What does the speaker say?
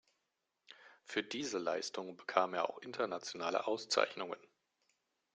Für diese Leistung bekam er auch internationale Auszeichnungen.